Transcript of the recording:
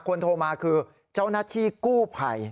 โทรมาคือเจ้าหน้าที่กู้ภัย